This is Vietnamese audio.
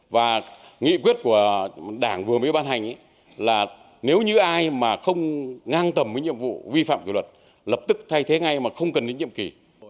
đảng vừa mới ban hành là nếu như ai mà không ngang tầm với nhiệm vụ vi phạm kiểu luật lập tức thay thế ngay mà không cần đến nhiệm kỳ